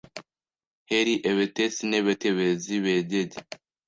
heri ebetesi n’ebetebezi bejyege